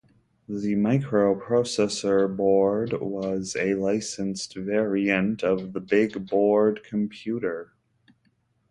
The microprocessor board was a licensed variant of the Big Board computer.